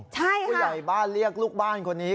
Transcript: ผู้ใหญ่บ้านเรียกลูกบ้านคนนี้